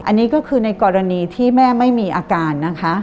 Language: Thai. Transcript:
อันนี้ก็คือในกรณีที่แม่ไม่มีอาการนะคะ